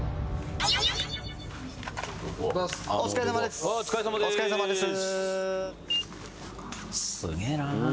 お疲れさまです！